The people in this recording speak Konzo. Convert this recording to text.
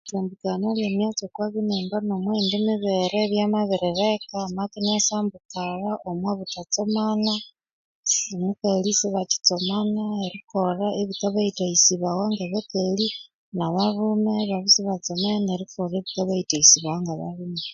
Erisambukania emyatsi okwa binimba nomwa yindi mibere byamabiri leka amaka inasambukalha omwa butha tsomana, omukali sibakyi tsomana erikolha ebikabaithaghisibawa ngabakali, nabalhume ibabya sibatsomene erikolha ebikabaithaghisibawa nga balhume.